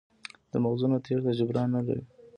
د مغزونو تېښته جبران نه لري.